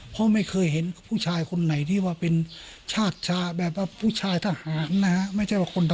พ่อไม่เคยเห็นผู้ชายคนไหนที่ว่าเป็นชาติชาติ